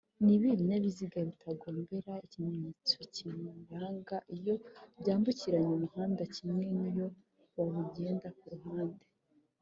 Nibihe binyabiziga bitagombera ikimenyetso kibiranga iyo byambukiranya umuhanda kimwe niyo bawugenda kuruhande